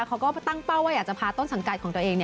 เขาก็ตั้งเป้าว่าอยากจะพาต้นสังกัดของตัวเอง